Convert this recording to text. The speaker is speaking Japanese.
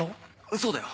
そうだよ。